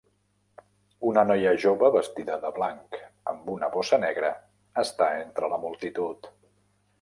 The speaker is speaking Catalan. Una noia jove vestida de blanc amb una bossa negra està entre la multitud.